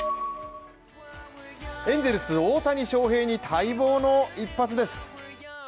エンゼルス・大谷翔平に待望の一発です。